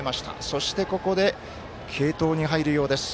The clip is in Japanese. そして、ここで継投に入るようです。